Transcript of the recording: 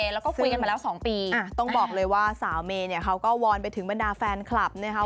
แล้วก็คุยกันมาแล้ว๒ปีต้องบอกเลยว่าสาวเมย์เนี่ยเขาก็วอนไปถึงบรรดาแฟนคลับนะคะ